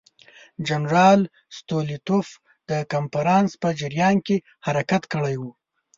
جنرال ستولیتوف د کنفرانس په جریان کې حرکت کړی وو.